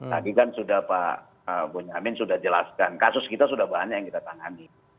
tadi kan sudah pak bonyamin sudah jelaskan kasus kita sudah banyak yang kita tangani